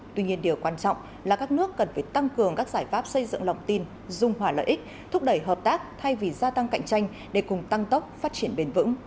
tuy nhiên điều quan trọng là các nước cần phải tăng cường các giải pháp xây dựng lòng tin dung hòa lợi ích thúc đẩy hợp tác thay vì gia tăng cạnh tranh để cùng tăng tốc phát triển bền vững